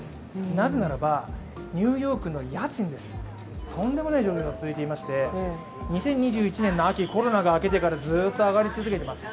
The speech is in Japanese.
なぜならばニューヨークの家賃とんでもない料金が続いていまして２０２１年の秋、コロナが明けてからずっと上がり続けています